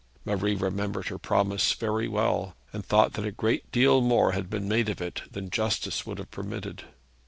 Marie remembered her promise very well, and thought that a great deal more had been made of it than justice would have permitted.